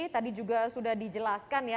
tadi juga sudah dijelaskan ya